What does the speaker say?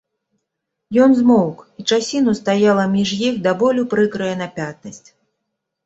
Ён змоўк, і часіну стаяла між іх да болю прыкрая напятасць.